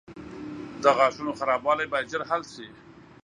• د غاښونو خرابوالی باید ژر حل شي.